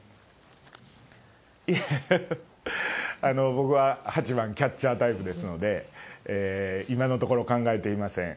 いや、僕は８番キャッチャータイプですので、今のところ、考えていません。